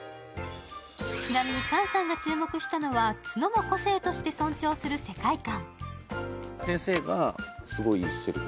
ちなみに菅さんが注目したのは角も個性として尊重する世界観。